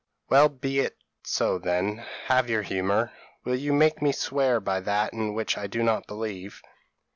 p> "'Well be it so then; have your humour. Will you make me swear by that in which I do not believe?'